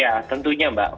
ya tentunya mbak